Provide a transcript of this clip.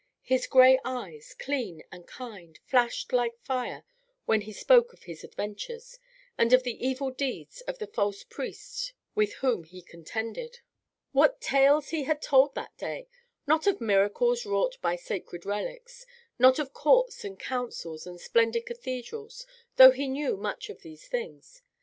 His gray eyes, clean and kind, flashed like fire when he spoke of his adventures, and of the evil deeds of the false priests with whom he contended. What tales he had told that day! Not of miracles wrought by sacred relics; not of courts and councils and splendid cathedrals; though he knew much of these things.